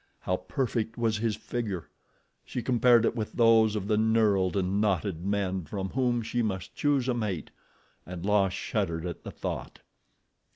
How perfect was his figure. She compared it with those of the knurled and knotted men from whom she must choose a mate, and La shuddered at the thought.